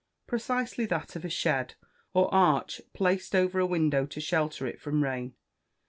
Precisely that of a shed, or arch placed over a window to shelter it from rain.